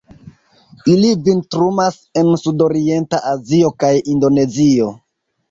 Ili vintrumas en sudorienta Azio kaj Indonezio.